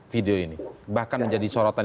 video ini bahkan menjadi sorotan